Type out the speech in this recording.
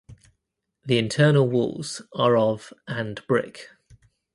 The internal walls are of and brick.